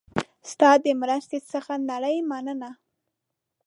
ستا د مرستې څخه نړۍ مننه